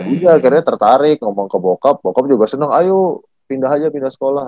iya akhirnya tertarik ngomong ke bokap bokap juga senang ayo pindah aja pindah sekolah